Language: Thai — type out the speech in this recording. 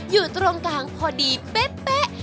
อยู่ตรงกลางพอดีเป๊ะ